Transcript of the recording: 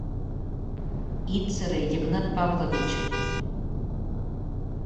— Ит сыре, Йыгнат Павлович!